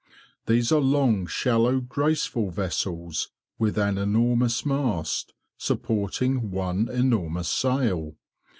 These are long, shallow, graceful vessels, with an enormous mast, supporting one enormous sail.